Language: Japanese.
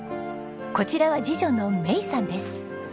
こちらは次女の明衣さんです。